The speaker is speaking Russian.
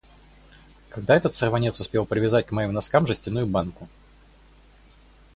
Когда этот сорванец успел привязать к моим носкам жестяную банку?